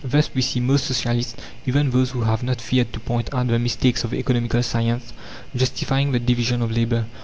Thus we see most socialists, even those who have not feared to point out the mistakes of economical science, justifying the division of labour.